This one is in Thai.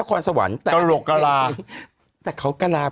มนุษย์ต่างดาวต้องการจะเจอหน่อย